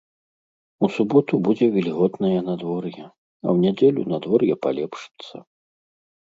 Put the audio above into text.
У суботу будзе вільготнае надвор'е, а ў нядзелю надвор'е палепшыцца.